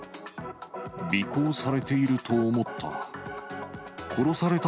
尾行されていると思った。